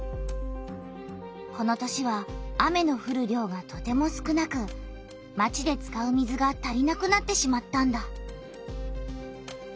この年は雨のふる量がとても少なくまちで使う水が足りなくなってしまったんだ。